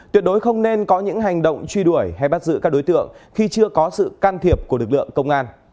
tuyệt đối không nên có những hành động truy đuổi hay bắt giữ các đối tượng khi chưa có sự can thiệp của lực lượng công an